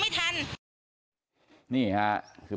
ไม่ได้ตอบโต